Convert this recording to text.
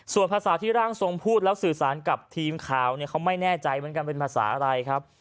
ส่วนภาษาที่ร่างทรงพูดแล้วสื่อสารกับทีมข่าวเนี่ยเขาไม่แน่ใจเหมือนกันเป็นภาษาอะไรครับ